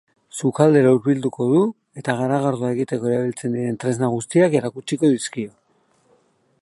Sukaldera hurbilduko du, eta garagardoa egiteko erabiltzen dituen tresna guztiak erakutsiko dizkio.